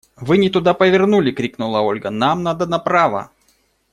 – Вы не туда повернули, – крикнула Ольга, – нам надо направо!